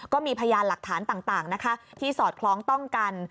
ก็มีพยานหลักฐานต่างนะคะที่สอดคล้องต้องกัน